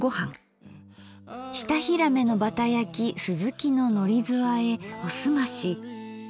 舌ひらめのバタ焼きすずきののりずあえおすまし。